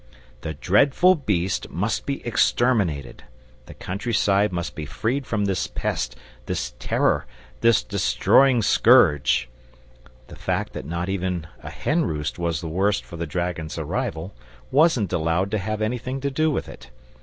The dreadful beast must be exterminated, the country side must be freed from this pest, this terror, this destroying scourge. The fact that not even a hen roost was the worse for the dragon's arrival wasn't allowed to have anything to do with it.